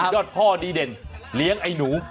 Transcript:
ยอดพ่อดีเด่นเลี้ยงไอ้หนู